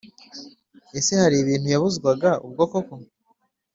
ese hari ibintu yabuzwaga ubwo koko ?